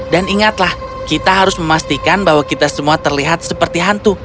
dan ingatlah kita harus memastikan bahwa kita semua terlihat seperti hantu